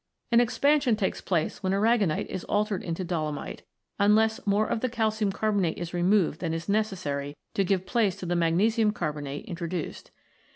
An expansion takes place when aragonite is altered into dolomite, unless more of the calcium carbonate is removed than is necessary to give place to the magnesium carbonate introduced.